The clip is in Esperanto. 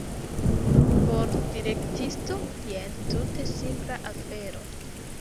Por direktisto jen tute simpla afero.